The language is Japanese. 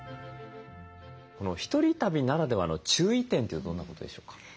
１人旅ならではの注意点ってどんなことでしょうか？